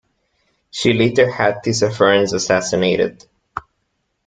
She later had Tissaphernes assassinated.